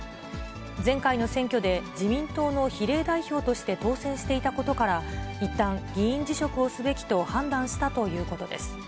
前回の選挙で、自民党の比例代表として当選していたことから、いったん、議員辞職をすべきと判断したということです。